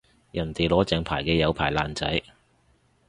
人哋攞正牌嘅有牌爛仔